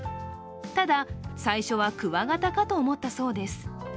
ただ最初は、クワガタかと思ったそうです。